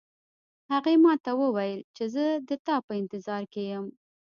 هغې ما ته وویل چې زه د تا په انتظار کې یم